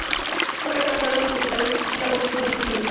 Fue reemplazado en los teclados y la voz por Dennis Provisor.